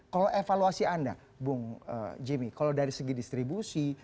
kalau evaluasi anda bung jimmy kalau dari segi distribusi